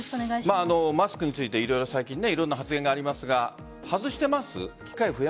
マスクについて最近いろんな発言がありますが外しています？